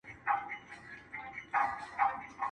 گيلاس خالي دی او نن بيا د غم ماښام دی پيره.